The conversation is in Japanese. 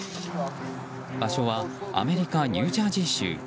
場所はアメリカ・ニュージャージー州。